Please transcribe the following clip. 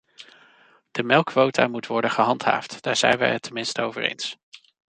De melkquota moeten worden gehandhaafd, daar zijn wij het tenminste over eens.